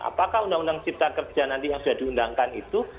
apakah undang undang cipta kerja nanti yang sudah diundangkan itu